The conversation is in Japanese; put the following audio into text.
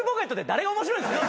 誰が面白いんすか？